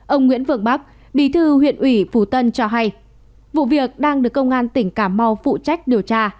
ông nguyễn vượng bắc bí thư huyện ủy phú tân cho hay vụ việc đang được công an tỉnh cà mau phụ trách điều tra